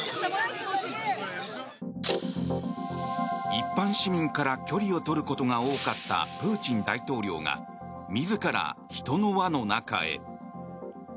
一般市民から距離をとることが多かったプーチン大統領が自ら人の輪の中へ。